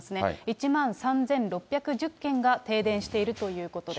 １万３６１０軒が停電しているということです。